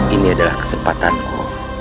ini adalah kesempatanku